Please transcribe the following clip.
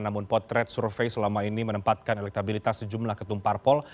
namun potret survei selama ini menempatkan elektabilitas sejumlah ketum parpol